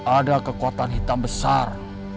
ada kekuatan hitam besar